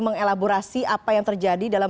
mengelaborasi apa yang terjadi dalam